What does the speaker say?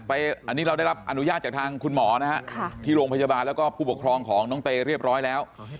อันนี้เราได้รับอนุญาตจากทางคุณหมอนะฮะที่โรงพยาบาลแล้วก็ผู้ปกครองของน้องเตเรียบร้อยแล้ว